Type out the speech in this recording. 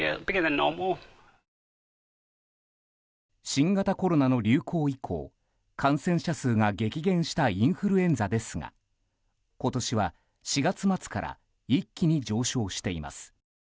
新型コロナの流行以降感染者数が激減したインフルエンザですが今年は４月末から一気に上昇しています。